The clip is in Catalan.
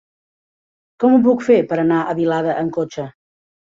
Com ho puc fer per anar a Vilada amb cotxe?